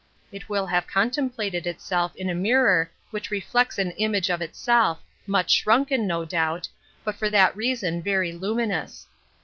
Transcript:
It will have contemplated itself in a mirror which reflects an image of itself, much shrunken, no doubt, but for that reason very luminous.